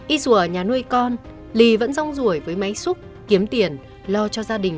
y sùa ở nhà nuôi con lì vẫn rong rủi với máy xúc kiếm tiền lo cho gia đình